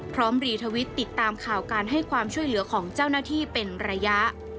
รีทวิตติดตามข่าวการให้ความช่วยเหลือของเจ้าหน้าที่เป็นระยะ